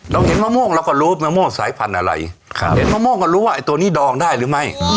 เห็นมะม่วงเราก็รู้มะม่วงสายพันธุ์อะไรเห็นมะม่วงก็รู้ว่าไอ้ตัวนี้ดองได้หรือไม่